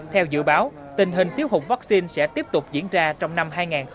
theo dự báo tình hình thiếu hụt vaccine sẽ tiếp tục diễn ra trong năm hai nghìn hai mươi